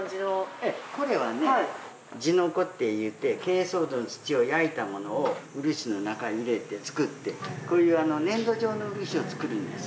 ええ、これは地の粉っていってけいそう土の土を焼いたものを漆の中へ入れて作ってこういう粘土状の漆を作るんです。